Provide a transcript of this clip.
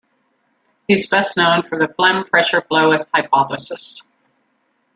He is best known for the phloem pressure flow hypothesis.